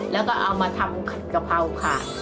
แล้วก็เอามาทำกะเพราขาด